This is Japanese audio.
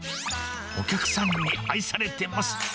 お客さんに愛されてます！